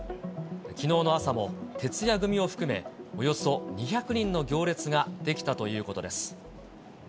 きのうの朝も、徹夜組を含め、およそ２００人の行列が出来たということです。